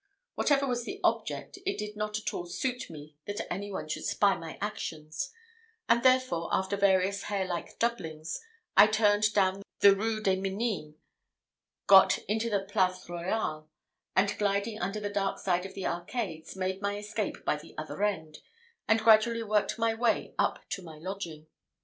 Whatever was the object, it did not at all suit me that any one should spy my actions; and, therefore, after various hare like doublings, I turned down the Rue des Minims, got into the Place Royale, and gliding under the dark side of the arcades, made my escape by the other end, and gradually worked my way up to my lodging.